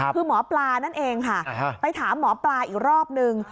คือหมอปลานั่นเองค่ะไปถามหมอปลาอีกรอบนึง